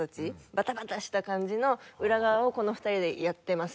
バタバタした感じの裏側をこの２人でやってます